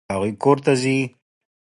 هغوی کور ته ځي.